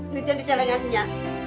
nidyan di celengannya